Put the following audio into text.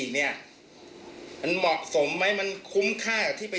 หนูว่ามันแพงเกินไป